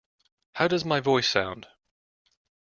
How does my voice sound?